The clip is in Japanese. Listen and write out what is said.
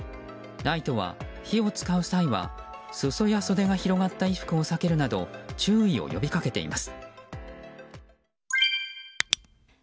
ＮＩＴＥは、火を使う際は裾や袖が広がった衣服を避けるなど注意を呼び掛けています。